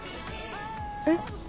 えっ？